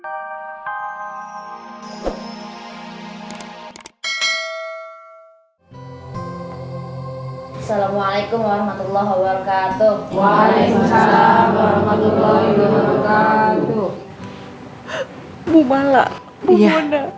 ibu mala ibu mona